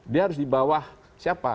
dia harus di bawah siapa